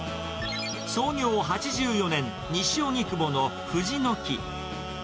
創業８４年、西荻窪の藤の木。